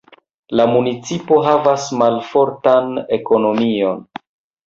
La municipo havas malfortan ekonomion.